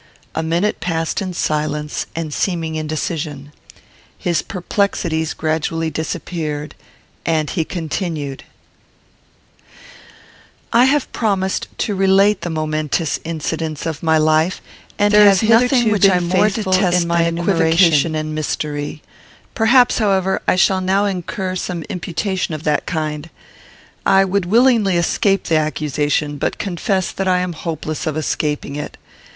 A minute passed in silence and seeming indecision. His perplexities gradually disappeared, and he continued: I have promised to relate the momentous incidents of my life, and have hitherto been faithful in my enumeration. There is nothing which I more detest than equivocation and mystery. Perhaps, however, I shall now incur some imputation of that kind. I would willingly escape the accusation, but confess that I am hopeless of escaping it.